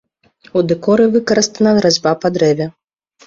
У дэкоры выкарыстана разьба па дрэве.